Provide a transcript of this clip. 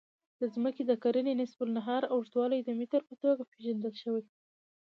د ځمکې د کرې نصف النهار اوږدوالی د متر په توګه پېژندل شوی.